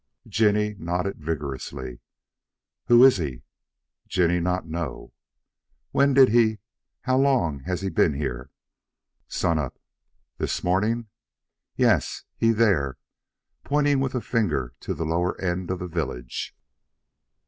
Jinny nodded vigorously. "Who is he?" "Jinny not know." "When did he how long has he been here?" "Sun up." "This morning?" "Yes. He there," pointing with a finger to the lower end of the village.